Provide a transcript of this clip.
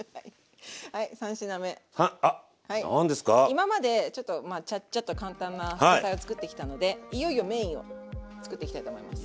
今までちょっとまあちゃっちゃと簡単な副菜を作ってきたのでいよいよメインを作っていきたいと思います。